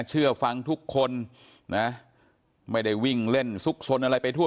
เชื่อฟังทุกคนนะไม่ได้วิ่งเล่นซุกซนอะไรไปทั่ว